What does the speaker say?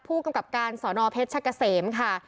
ผู้กำไกรการสอนอเพชรชะเกษมค่ะ